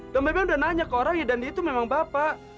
dan beben udah nanya ke orang ya dan dia itu memang bapak